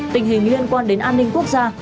tình hình liên quan đến an ninh quốc gia